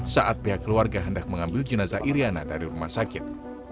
saat pihak keluarga hendak mengambil jenazah iryana dari rumah sakit